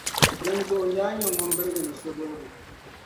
Dinzuɣu yaa nyini ŋun birigi ni sodoligu.